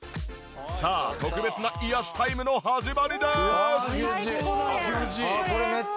さあ特別な癒やしタイムの始まりです！